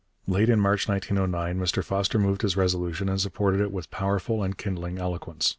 Late in March 1909 Mr Foster moved his resolution and supported it with powerful and kindling eloquence.